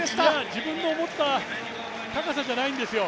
自分の思った高さじゃないんですよ。